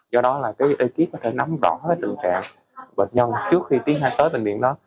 do đó là cái ekip có thể nắm đỏ cái tình trạng bệnh nhân trước khi tiến hành tới bệnh viện đó